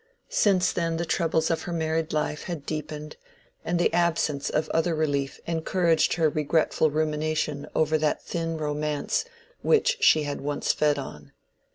Since then the troubles of her married life had deepened, and the absence of other relief encouraged her regretful rumination over that thin romance which she had once fed on.